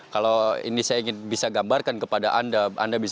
kalau ini saya ingin bisa gambarkan kepada anda